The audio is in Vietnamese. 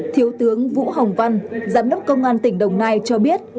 thiếu tướng vũ hồng văn giám đốc công an tỉnh đồng nai cho biết